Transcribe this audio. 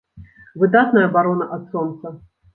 Выдатная абарона ад сонца!